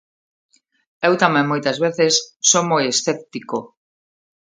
Eu tamén moitas veces son moi escéptico.